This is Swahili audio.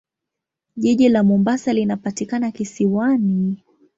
Jiji la Mombasa linapatikana kisiwani.